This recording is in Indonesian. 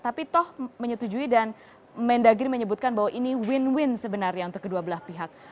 tapi toh menyetujui dan mendagri menyebutkan bahwa ini win win sebenarnya untuk kedua belah pihak